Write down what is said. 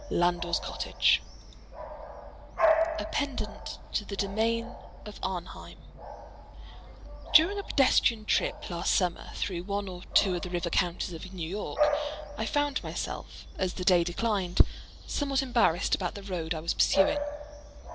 LANDOR'S COTTAGE A Pendant to "The Domain of Arnheim" During A pedestrian trip last summer, through one or two of the river counties of New York, I found myself, as the day declined, somewhat embarrassed about the road I was pursuing.